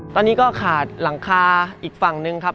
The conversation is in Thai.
ตอนนี้ก็ขาดหลังคาอีกฝั่งหนึ่งครับ